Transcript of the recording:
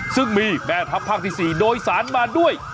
ซึ่งมีแม่ทัพภาคที่๔โดยสารมาด้วย